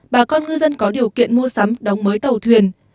bà con ngư dân có điều kiện mua sắm đóng mới tàu thuyền